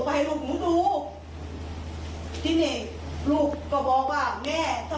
ป่วยชนิดที่ว่าเขาโรงพันธุ์